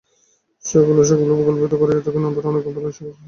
সকলেই স্বকপোল-কল্পিত অর্থ করিয়া থাকেন, আবার অনেকে বলেন, এইসব বাজে কথা মাত্র।